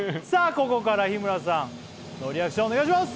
ここから日村さんノーリアクションお願いします